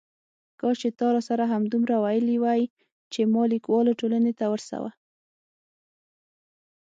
کاش چې تا راسره همدومره ویلي وای چې ما لیکوالو ټولنې ته ورسوه.